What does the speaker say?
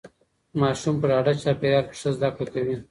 ماسوم په ډاډه چاپیریال کې ښه زده کړه کوي.